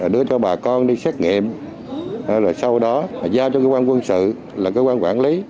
đưa cho bà con đi xét nghiệm sau đó giao cho cơ quan quân sự cơ quan quản lý